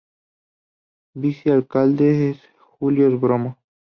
Vice Alcalde es Julios Bromo.